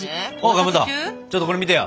かまどちょっとこれ見てよ。